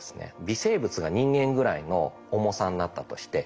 微生物が人間ぐらいの重さになったとして。